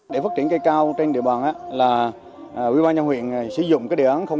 để phát triển cây cao trên địa bàn quý bà nhà huyện sử dụng địa án ba